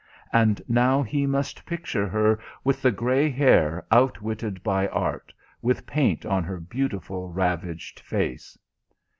And now he must picture her with the grey hair outwitted by art, with paint on her beautiful ravaged face.